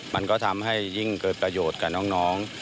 มันก็ทำให้ยิ่งเกิดประโยชน์กับน้อง